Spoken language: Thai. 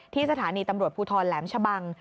สถานีตำรวจภูทรแหลมชะบัง